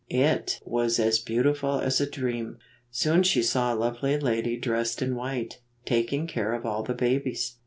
It was as beautiful as a dream. Soon she saw a lovely lady dressed in white, taking care of all the babies.